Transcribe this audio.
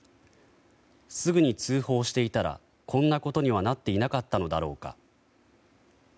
すぐに通報していたらこんなことにはなっていなかったのだろうか。